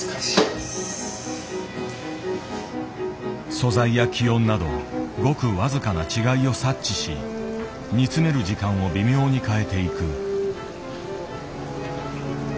素材や気温などごく僅かな違いを察知し煮詰める時間を微妙に変えていく。